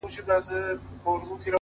هره لاسته راوړنه ثبات غواړي؛